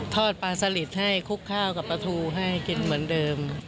ทอดปลาสลิดให้คลุกข้าวกับปลาทูให้กินเหมือนเดิม